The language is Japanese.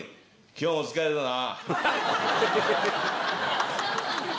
今日も疲れたな。